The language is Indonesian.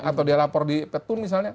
atau dia lapor di pt tun misalnya